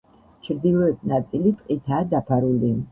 ჩრდილოეთ ნაწილი ტყითაა დაფარული.